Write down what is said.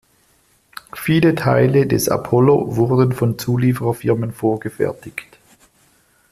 Viele Teile des Apollo wurden von Zulieferfirmen vorgefertigt.